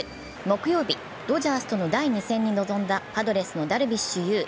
木曜日、ドジャースとのの第２戦に臨んだパドレスのダルビッシュ有。